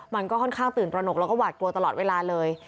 มันก็ค่อนข้างตื่นตระหนกแล้วก็หวาดกลัวตลอดเวลาเลย